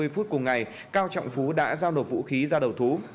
ba mươi phút cùng ngày cao trọng phú đã giao nộp vũ khí ra đầu thú